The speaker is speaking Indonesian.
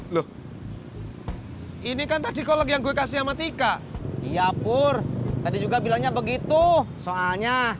loh ini kan tadi kalau yang gue kasih amat ika iya pur tadi juga bilangnya begitu soalnya